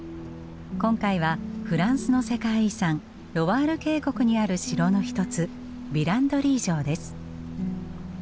今回はフランスの世界遺産ロワール渓谷にある城の一つヴィランドリー城です。